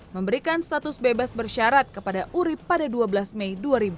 memberikan status bebas bersyarat kepada urib pada dua belas mei dua ribu dua puluh